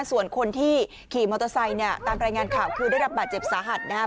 ส่วนเราที่ขี่มอเตอร์ไซค์เนี่ยตาม๑๗๐๐ค่าได้ระบบาดเจ็บสาหัสนะครับ